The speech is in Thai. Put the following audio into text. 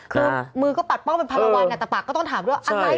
คือมือก็ปัดป้องเป็นภาระวันแต่ปากก็ต้องถามด้วยอะไร